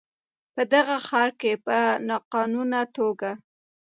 په دغه ښار کې په ناقانونه توګه